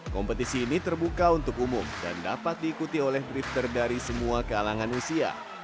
kompetisi ini terbuka untuk umum dan dapat diikuti oleh drifter dari semua kalangan usia